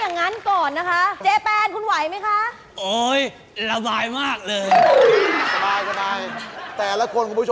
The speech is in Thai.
นิดนึงครับ